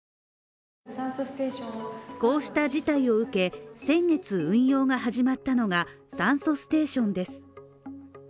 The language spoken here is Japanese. こうした事態を受け、先月運用が始まったのが酸素ステーションです。